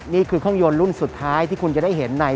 นี่คือเครื่องยนต์รุ่นสุดท้ายที่คุณจะได้เห็นใน